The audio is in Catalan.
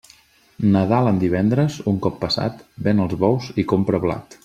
Nadal en divendres, un cop passat, ven els bous i compra blat.